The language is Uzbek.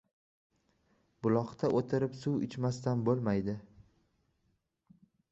• Buloqda o‘tirib suv ichmasdan bo‘lmaydi.